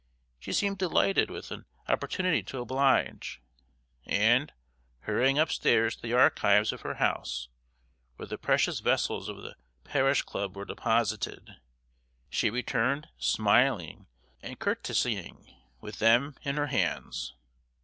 She seemed delighted with an opportunity to oblige, and, hurrying upstairs to the archives of her house, where the precious vessels of the parish club were deposited, she returned, smiling and courtesying, with them in her hands.